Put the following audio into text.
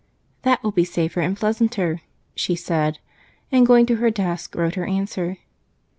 "That will be safer and pleasanter," she said, and going to her desk wrote her answer.